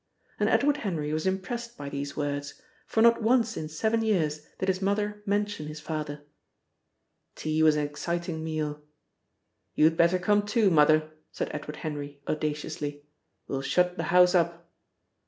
And Edward Henry was impressed by these words, for not once in seven years did his mother mention his father. Tea was an exciting meal. "You'd better come too, Mother," said Edward Henry audaciously. "We'll shut the house up."